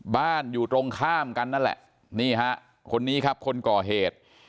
อยู่ตรงข้ามกันนั่นแหละนี่ฮะคนนี้ครับคนก่อเหตุ